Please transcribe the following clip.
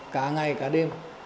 cả ngày cả đêm